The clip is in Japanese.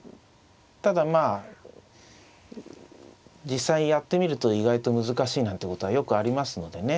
ただまあ実際やってみると意外と難しいなんてことはよくありますのでね